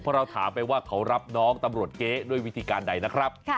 เพราะเราถามไปว่าเขารับน้องตำรวจเก๊ด้วยวิธีการใดนะครับ